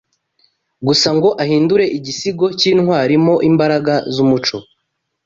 gusa ngo ahindure igisigo cyintwari mo imbaraga zumuco